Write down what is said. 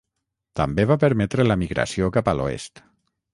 També va permetre la migració cap a l'Oest.